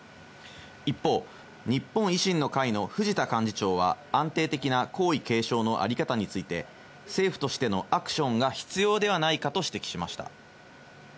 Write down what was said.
一方、日本維新の会の藤田幹事長は、安定的な皇位継承の在り方について、政府としてのアクションが必要ではないかと指摘しました。